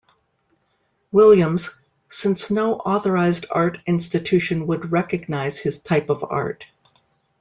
Williams, since no authorized art institution would recognize his type of art.